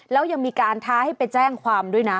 แล้วยังมีการท้าให้ไปแจ้งความด้วยนะ